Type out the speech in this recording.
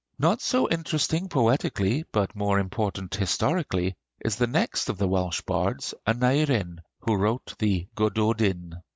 Not so interesting poetically but more important historically is the next of the Welsh bards, Aneurin, who wrote the 'Gododin.'